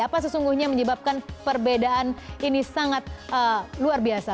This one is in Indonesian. apa sesungguhnya menyebabkan perbedaan ini sangat luar biasa